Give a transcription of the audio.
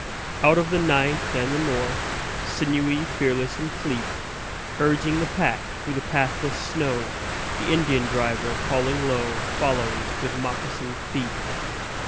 Out of the night and the north, Sinewy, fearless and fleet, Urging the pack through the pathless snow, The Indian driver, calling low, Follows with moccasined feet.